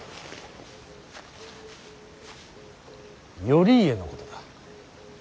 頼家のことだ。